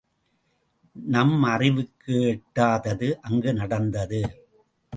நம் அறிவுக்கு எட்டாதது அங்கு நடந்தது.